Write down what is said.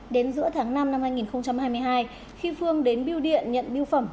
đến giữa tháng năm năm hai nghìn hai mươi hai khi phương đến biêu điện nhận biêu phẩm